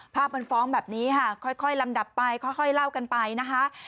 ภาพมันฟ้องแบบนี้ค่ะค่อยลำดับไปค่อยเล่ากันไปนะคะ